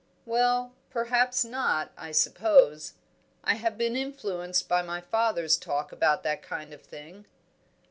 "Well, perhaps not. I suppose I have been influenced by my father's talk about that kind of thing."